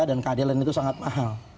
dan keadilan itu sangat mahal